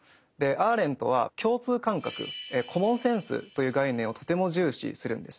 アーレントは共通感覚コモンセンスという概念をとても重視するんですね。